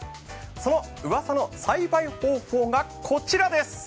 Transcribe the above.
そのうわさの栽培方法がこちらです。